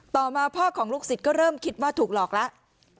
ต่อมาพ่อของลูกศิษย์ก็เริ่มคิดว่าถูกหลอกแล้ว